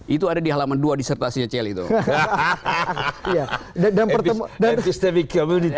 itu ada di halaman dua disertasinya celi itu